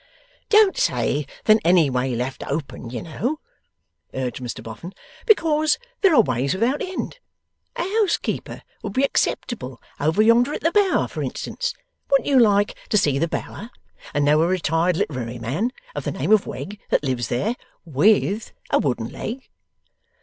'Don't say than any way left open, you know,' urged Mr Boffin; 'because there are ways without end. A housekeeper would be acceptable over yonder at the Bower, for instance. Wouldn't you like to see the Bower, and know a retired literary man of the name of Wegg that lives there WITH a wooden leg?